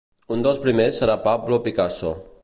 Un dels primers serà Pablo Picasso.